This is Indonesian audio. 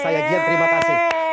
saya gian terima kasih